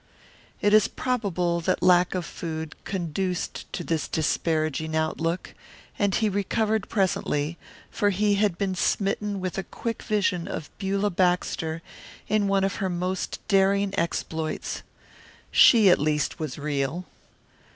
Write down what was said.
It is probable that lack of food conduced to this disparaging outlook; and he recovered presently, for he had been smitten with a quick vision of Beulah Baxter in one of her most daring exploits. She, at least, was real.